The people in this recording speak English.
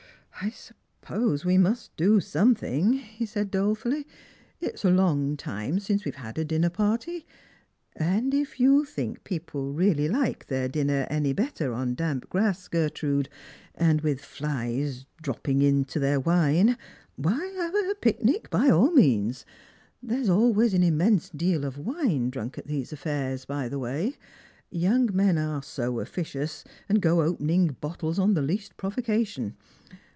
" I suppose we must do something," he said dolefully. " It's H long time since we've had a dinner party ; and if you think people really like their dinner any better on damp grass, Gertrude, and with flies dropping into their wine, why, have a picnic by all means. There's always an immense deal of wine drunk at these ttffairs, by the way ; young men are so officious, and go opening bottles on the least provocation.